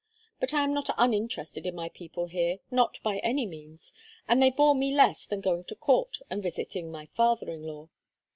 But I am not uninterested in my people here, not by any means, and they bore me less than going to court and visiting my father in law.